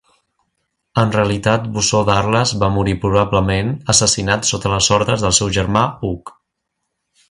En realitat Bosó d'Arles va morir probablement assassinat sota les ordes del seu germà Hug.